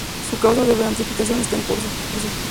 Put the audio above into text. Su Causa de Beatificación está en curso.